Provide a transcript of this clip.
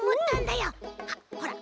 あっほら